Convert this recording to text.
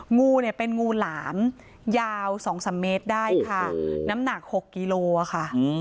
งูเนี่ยเป็นงูหลามยาว๒๓เมตรได้ค่ะน้ำหนัก๖กิโลอ่ะค่ะ